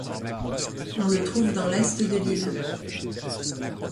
On le trouve dans l'est de l'île.